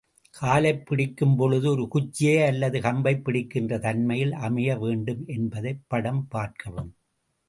காலைப் பிடிக்கும்பொழுது, ஒரு குச்சியை அல்லது கம்பைப் பிடிக்கின்ற தன்மையில் அமைய வேண்டும் என்பதை படம் பார்க்கவும்.